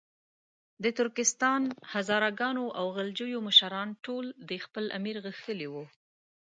د ترکستان، هزاره ګانو او غلجیو مشران ټول تر خپل امیر غښتلي وو.